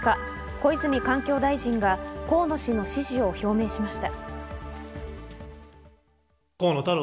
小泉環境大臣が河野氏の支持を表明しました。